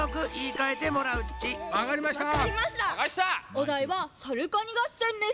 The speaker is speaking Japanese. おだいは「さるかにがっせん」です。